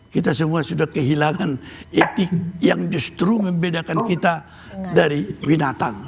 kita semua sudah kehilangan etik yang justru membedakan kita dari binatang